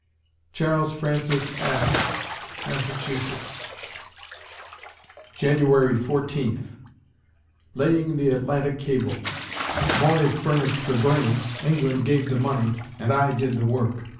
CHARLES FRANCIS ADAMS (Massachusetts) January Fourteenth LAYING THE ATLANTIC CABLE Maury furnished the brains, England gave the money, and I did the work.